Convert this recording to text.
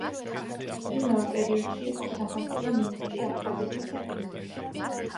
იმავე პერიოდში იყო სახელმწიფო მინისტრი აფხაზეთის საკითხებში.